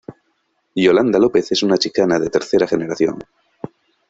Yolanda López es una chicana de tercera generación.